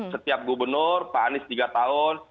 setiap gubernur pak anies tiga tahun